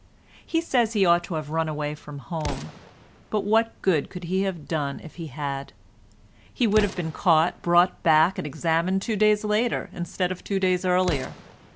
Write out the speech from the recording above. He says he ought to have run away from home. But what good could he have done if he had? He would have been caught, brought back and examined two days later instead of two days earlier.